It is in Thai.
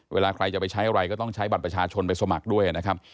เวลาใครจะไปใช้อะไรก็ต้องใช้บัตรประชาชนไปสมัครด้วยนะครับ